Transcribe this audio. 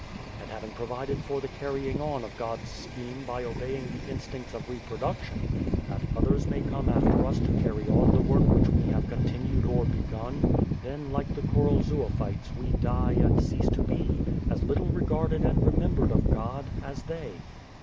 And having provided for 96 Beyond the Door the carrying on of God's scheme by obeying the instincts of reproduction, that others may come after us to carry on the work which we have continued or begun then like the coral zoophytes we die and cease to be, as little regarded and remembered of God as they.